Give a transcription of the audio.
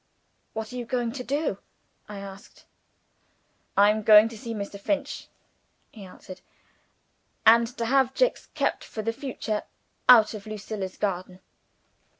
"What are you going to do?" I asked. "I am going to see Mr. Finch," he answered, "and to have Jicks kept for the future out of Lucilla's garden."